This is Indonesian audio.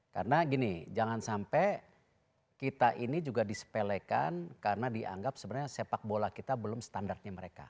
karena gini jangan sampai kita ini juga disepelekan karena dianggap sebenarnya sepak bola kita belum standarnya mereka